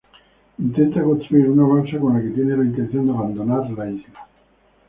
Intenta construir una balsa con la que tiene la intención de abandonar la isla.